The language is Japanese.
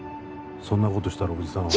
そんなことしたらおじさんは